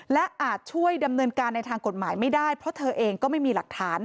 และอาจช่วยดำเนินการในทางกฎหมายไม่ได้เพราะเธอเองก็ไม่มีหลักฐาน